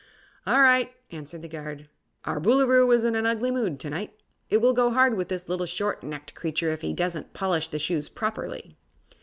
"All right," answered the guard. "Our Boolooroo is in an ugly mood to night. It will go hard with this little short necked creature if he doesn't polish the shoes properly."